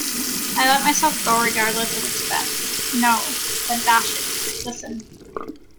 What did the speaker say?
I let myself go regardless of expense: No, but dash it, listen.